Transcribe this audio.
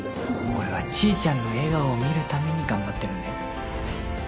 俺はちーちゃんの笑顔を見るために頑張ってるんだよ